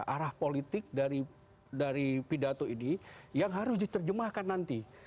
arah politik dari pidato ini yang harus diterjemahkan nanti